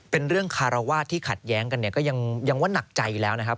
เป็นเรื่องคารวาสที่ขัดแย้งกันเนี่ยก็ยังว่านักใจอยู่แล้วนะครับ